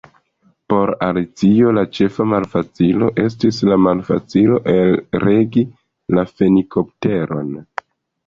Por Alicio la ĉefa malfacilo estis la malfacilo elregi la fenikopteron.